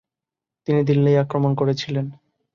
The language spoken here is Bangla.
তিনি দিল্লি আক্রমণ করেছিলেন।